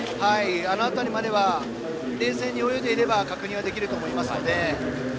あの辺りまでは冷静に泳いでいれば確認できると思います。